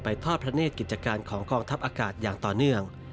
ทอดพระเนธกิจการของกองทัพอากาศอย่างต่อเนื่อง